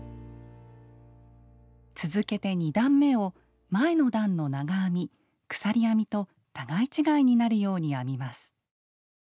続けて２段めを前の段の長編み鎖編みと互い違いになるように編みます。